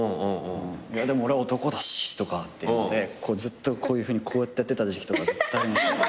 でも俺は男だしとかっていってずっとこういうふうにこうやってやってた時期とかありました。